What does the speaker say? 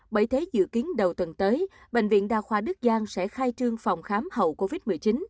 bởi thế dự kiến đầu tuần tới bệnh viện đa khoa đức giang sẽ khai trương phòng khám hậu covid một mươi chín